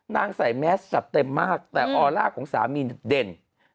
ใส่แมสสัตว์เต็มมากแต่ออร่าของสามีเด่น